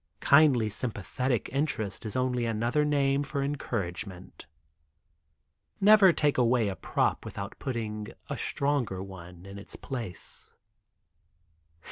Kindly sympathetic interest is only another name for encouragement. Never take away a prop without putting a stronger one in its place.